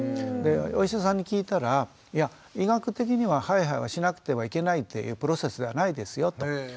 でお医者さんに聞いたらいや医学的にはハイハイはしなくてはいけないっていうプロセスではないですよと。